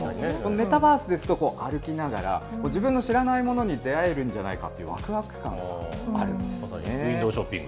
メタバースですと、歩きながら、自分の知らないものに出会えるんじゃないかというわくわく感があウインドーショッピング。